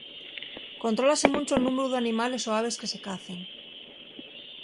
Contrólase muncho'l númberu d'animales o aves que se cacen.